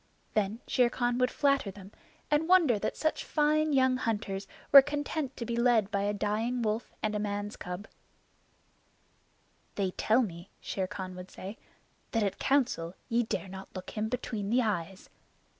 Then Shere Khan would flatter them and wonder that such fine young hunters were content to be led by a dying wolf and a man's cub. "They tell me," Shere Khan would say, "that at Council ye dare not look him between the eyes."